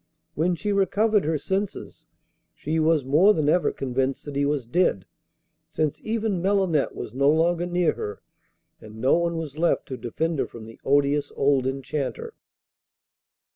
When she recovered her senses she was more than ever convinced that he was dead, since even Melinette was no longer near her, and no one was left to defend her from the odious old Enchanter.